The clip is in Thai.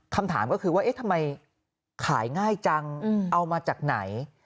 คำถามก็คือว่าเอ๊ะทำไมขายง่ายจังเอามาจากไหน